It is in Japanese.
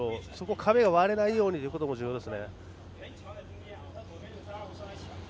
壁が割れないようにすることも重要です。